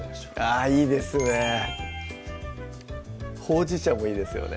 あぁいいですねほうじ茶もいいですよね